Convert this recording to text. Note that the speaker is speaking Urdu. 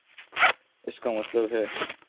اس کا مطلب ہے۔